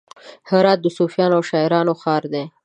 هرات د صوفیانو او شاعرانو ښار دی.